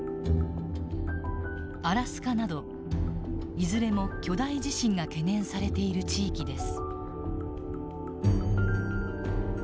いずれも巨大地震が懸念されている地域です。